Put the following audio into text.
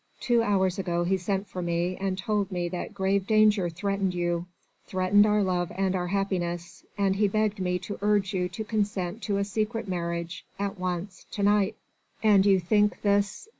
Two hours ago he sent for me and told me that grave danger threatened you threatened our love and our happiness, and he begged me to urge you to consent to a secret marriage ... at once ... to night." "And you think this